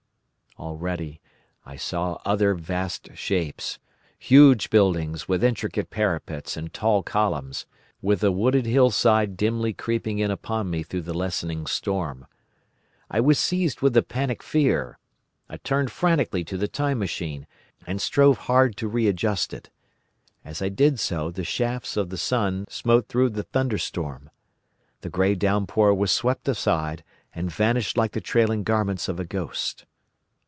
"Already I saw other vast shapes—huge buildings with intricate parapets and tall columns, with a wooded hillside dimly creeping in upon me through the lessening storm. I was seized with a panic fear. I turned frantically to the Time Machine, and strove hard to readjust it. As I did so the shafts of the sun smote through the thunderstorm. The grey downpour was swept aside and vanished like the trailing garments of a ghost.